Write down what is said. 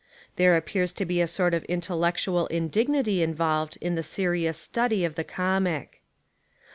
There appears to be a sort of intellectual in dignity involved in the serious study of the comic.